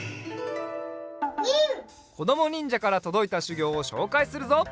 こどもにんじゃからとどいたしゅぎょうをしょうかいするぞ。